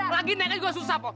lagi naik aja susah pak